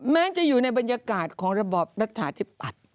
แม้จะอยู่ในบรรยากาศของระบอบรัฐาธิปัตย์